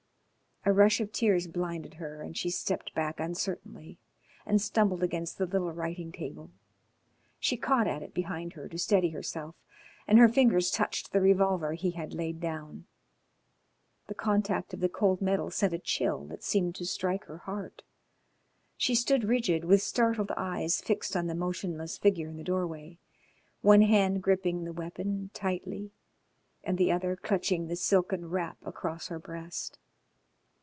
A rush of tears blinded her and she stepped back uncertainly and stumbled against the little writing table. She caught at it behind her to steady herself, and her fingers touched the revolver he had laid down. The contact of the cold metal sent a chill that seemed to strike her heart. She stood rigid, with startled eyes fixed on the motionless figure in the doorway one hand gripping the weapon tightly and the other clutching the silken wrap across her breast.